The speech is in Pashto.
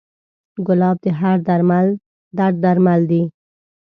ګلاب د هر درد درمل دی.